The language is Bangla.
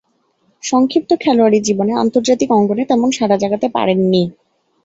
সংক্ষিপ্ত খেলোয়াড়ী জীবনে আন্তর্জাতিক অঙ্গনে তেমন সাড়া জাগাতে পারেননি।